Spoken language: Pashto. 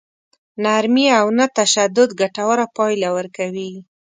نرمي او نه تشدد ګټوره پايله ورکوي.